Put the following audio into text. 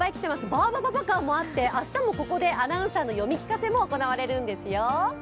バーバパパカーもあって、明日もここでアナウンサーの読み聞かせも行われるんですよ。